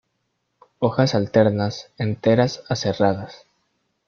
Hojas alternas, enteras a serradas.